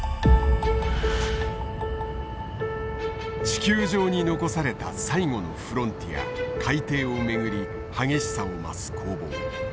地球上に残された最後のフロンティア海底をめぐり激しさを増す攻防。